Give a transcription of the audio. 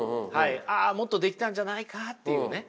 あもっとできたんじゃないかっていうね。